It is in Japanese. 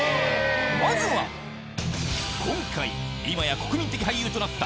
まずは今回今や国民的俳優となった